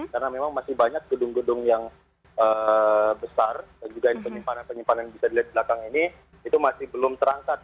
karena memang masih banyak gedung gedung yang besar dan juga penyimpanan penyimpanan yang bisa dilihat di belakang ini itu masih belum terangkat